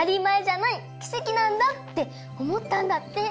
きせきなんだ」っておもったんだって。